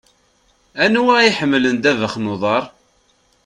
Anwa i iḥemmlen ddabex n uḍaṛ?